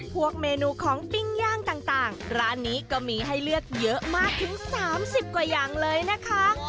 พวกเมนูของปิ้งย่างต่างร้านนี้ก็มีให้เลือกเยอะมากถึง๓๐กว่าอย่างเลยนะคะ